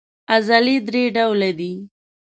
عضلې درې ډوله دي.